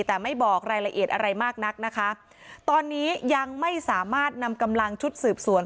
แต่ไม่บอกรายละเอียดอะไรมากนักนะคะตอนนี้ยังไม่สามารถนำกำลังชุดสืบสวน